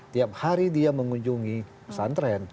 tiap hari dia mengunjungi santra ya